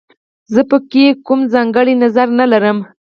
زه په کې کوم ځانګړی نظر نه لرم